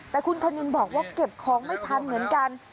แต่คุณคณินบอกว่าเก็บของไม่ทันเหมือนกัน